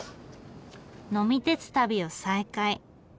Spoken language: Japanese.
呑み鉄旅を再開。